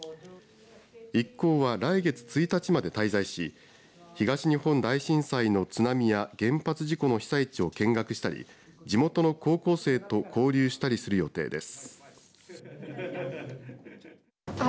一行は来月１日まで滞在し東日本大震災の津波や原発事故の被災地を見学したり地元の高校生と交流したりする予定です。